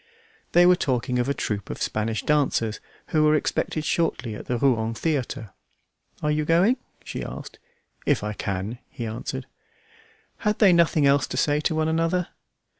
They were talking of a troupe of Spanish dancers who were expected shortly at the Rouen theatre. "Are you going?" she asked. "If I can," he answered. Had they nothing else to say to one another?